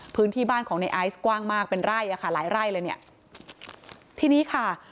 พื้นที่บ้านของในไอซ์กว้างมากเป็นไร่อ่ะค่ะหลายไร่เลยเนี่ยทีนี้ค่ะ